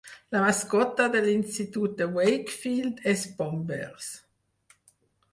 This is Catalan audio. La mascota de l'Institut de Wakefield és Bombers.